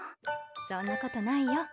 そんなことないよ。